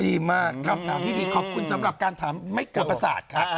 ดีมากครับขอบคุณสำหรับการทำไม่เกิดประสาท